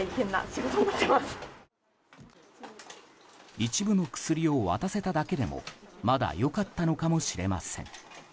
一部の薬を渡せただけでもまだ良かったのかもしれません。